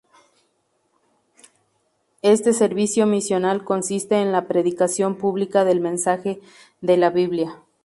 Este servicio misional consiste en la predicación pública del mensaje de la Biblia.